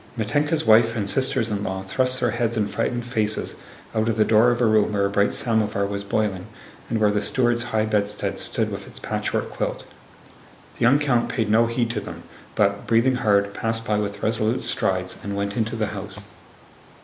Mítenka's wife and sisters in law thrust their heads and frightened faces out of the door of a room where a bright samovar was boiling and where the steward's high bedstead stood with its patchwork quilt. The young count paid no heed to them, but, breathing hard, passed by with resolute strides and went into the house.